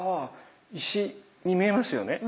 石に見えますよね。